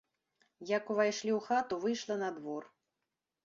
Як увайшлі ў хату, выйшла на двор.